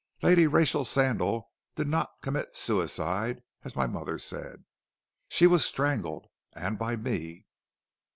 Lady Rachel Sandal did not commit suicide as my mother said. She was strangled, and by me."